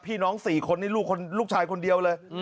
พี่น้อง๔คนนี้ลูกชายคนเดียวเลย